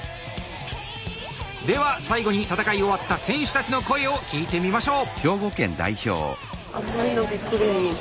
では最後に戦い終わった選手たちの声を聞いてみましょう。